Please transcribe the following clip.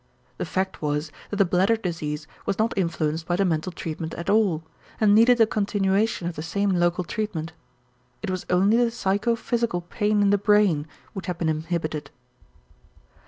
The fact was that the bladder disease was not influenced by the mental treatment at all, and needed a continuation of the same local treatment. It was only the psychophysical pain in the brain which had been inhibited.